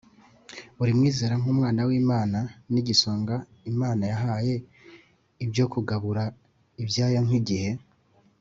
Buri mwizera nk'umwana w'Imana ni igisonga Imana yahaye ibyo kugabura ibyayo nk'igihe,